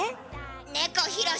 猫ひろし。